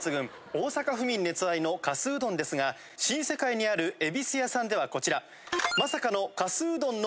大阪府民熱愛のかすうどんですが新世界にある恵美須屋さんではこちらまさかの。